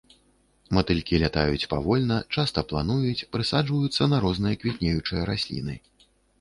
Матылькі лятаюць павольна, часта плануюць, прысаджваюцца на розныя квітнеючыя расліны.